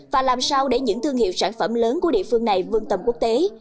và làm sao để những thương hiệu sản phẩm lớn của địa phương này vương tầm quốc tế